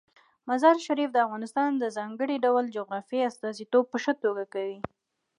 مزارشریف د افغانستان د ځانګړي ډول جغرافیې استازیتوب په ښه توګه کوي.